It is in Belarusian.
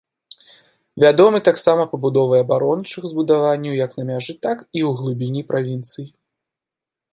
Вядомы таксама пабудовай абарончых збудаванняў як на мяжы, так і ў глыбіні правінцый.